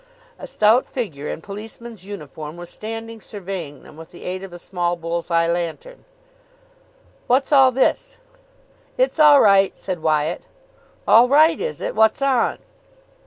A stout figure in policeman's uniform was standing surveying them with the aid of a small bull's eye lantern. "What's all this?" "It's all right," said Wyatt. "All right, is it? What's on?"